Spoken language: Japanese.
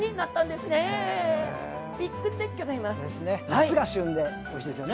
ですね夏が旬でおいしいですよね。